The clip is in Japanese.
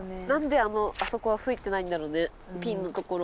なんであそこは吹いてないんだろうねピンの所。